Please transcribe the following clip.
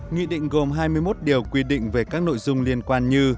nghị định gồm hai mươi một điều quy định về các nội dung liên quan như